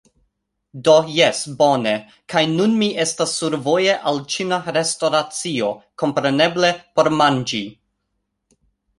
Do jes, bone. kaj nun mi estas survoje al ĉina restoracio, kompreneble, por manĝi!